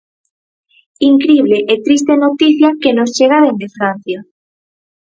Incrible e triste noticia que nos chega dende Francia.